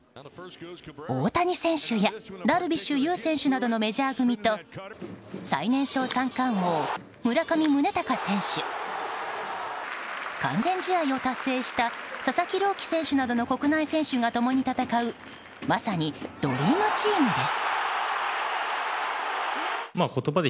大谷選手やダルビッシュ有選手のメジャー組と最年少三冠王、村上宗隆選手完全試合を達成した佐々木朗希選手などの国内選手が共に戦うまさにドリームチームです。